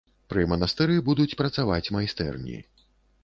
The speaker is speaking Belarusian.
Пры манастыры будуць працаваць майстэрні.